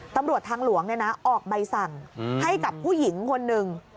ตำรวจทางหลวงออกใบสั่งให้กับผู้หญิงคนหนึ่ง